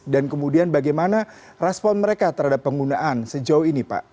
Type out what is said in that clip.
dan kemudian bagaimana respon mereka terhadap penggunaan sejauh ini pak